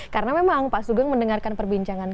karena memang pak sugeng mendengarkan perbincangan